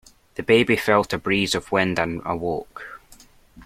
The baby felt a breeze of wind and awoke.